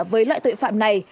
với loại tội phạm này